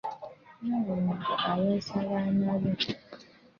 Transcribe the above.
Nnaalongo ayonsa abaana be.